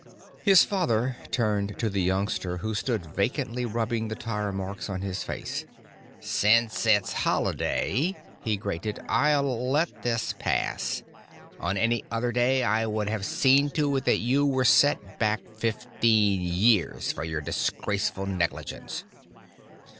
His father turned to the youngster who stood vacantly rubbing the tire marks on his face. "Since it's Holiday," he grated, "I'll let this pass. On any other day I would have seen to it that you were set back fifteen years for your disgraceful negligence."